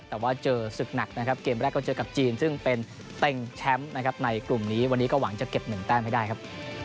แต่ว่าเจอศึกหนักนะครับเกมแรกก็เจอกับจีนซึ่งเป็นเต็งแชมป์นะครับในกลุ่มนี้วันนี้ก็หวังจะเก็บ๑แต้มให้ได้ครับ